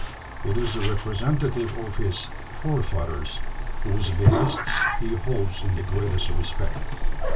It is the representative of his forefathers, whose behests he holds in the greatest respect."